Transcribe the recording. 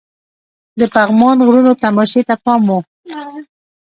د پغمان غرونو تماشې ته پام وو.